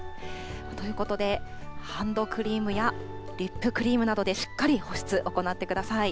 ということで、ハンドクリームやリップクリームなどでしっかり保湿、行ってください。